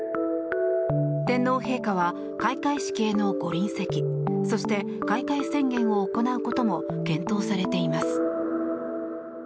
天皇陛下は開会式へのご臨席そして開会宣言を行うことも検討されています。